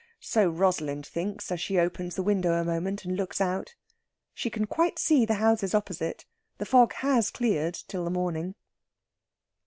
So Rosalind thinks as she opens the window a moment and looks out. She can quite see the houses opposite. The fog has cleared till the morning.